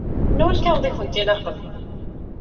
Anwa lkaɣeḍ i kent-ilaqen?